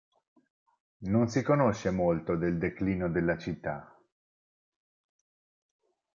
Non si conosce molto del declino della città.